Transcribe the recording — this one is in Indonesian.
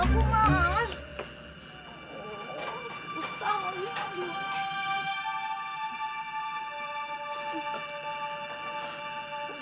oh susah lagi